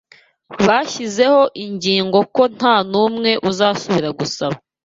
bashyizeho ingingo ko nta n’umwe uzasubira gusaba